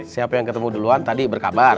siapa yang ketemu duluan tadi berkabar